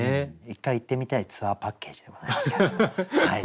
一回行ってみたいツアーパッケージでございますけれども。